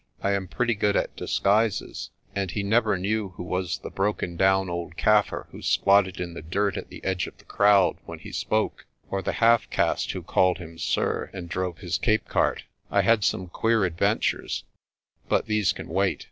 I am pretty good at disguises, and he never knew who was the broken down old Kaffir who squatted in the dirt at the edge of the crowd when he spoke, or the half caste who called him 'Sir' and drove his Cape cart. I had some queer ad ventures, but these can wait.